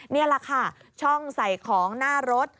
นี่แหละค่ะช่องใส่ของหน้ารถ